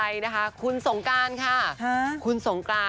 ดินแน่นำส่งการใครหรือเปล่า